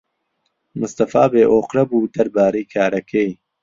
مستەفا بێئۆقرە بوو دەربارەی کارەکەی.